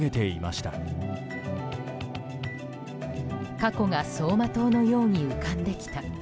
過去が走馬灯のように浮かんできた。